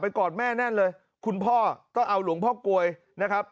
กอดแม่แน่นเลยคุณพ่อต้องเอาหลวงพ่อกลวยนะครับ